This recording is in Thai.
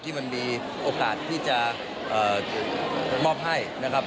ที่มันมีโอกาสที่จะมอบให้นะครับ